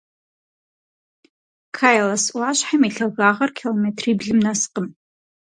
Кайлас ӏуащхьэм и лъагагъыр километриблым нэскъым.